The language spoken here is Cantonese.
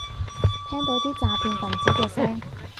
聽到啲詐騙份子嘅聲